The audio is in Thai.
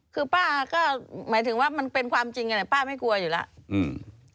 คือป้าก็หมายถึงว่ามันเป็นความจริงนั่นแหละป้าไม่กลัวอยู่แล้วอืม